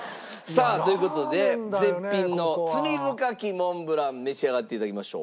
さあという事で絶品の罪深きモンブラン召し上がっていただきましょう。